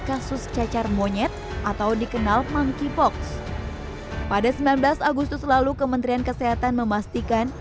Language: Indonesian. kasus cacar monyet atau dikenal monkeypox pada sembilan belas agustus lalu kementerian kesehatan memastikan